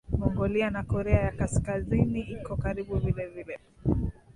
Mongolia na Korea ya Kaskazini Iko karibu vilevile